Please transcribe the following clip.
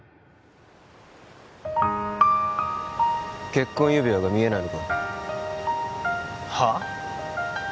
結婚指輪が見えないのか・はあ？